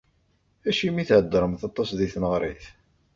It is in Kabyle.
Acimi i theddremt aṭas di tneɣrit?